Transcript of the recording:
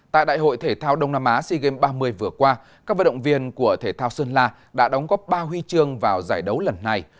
tại đại hội thể thao đông nam á sea games ba mươi vừa qua các vận động viên của thể thao sơn la đã đóng góp ba huy chương vào giải đấu lần này